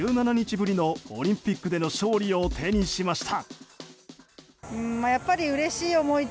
ぶりのオリンピックでの勝利を手にしました。